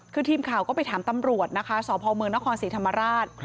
คือทีมข่าวก็ไปถามตำรวจนะคะสพเมืองนครศรีธรรมราช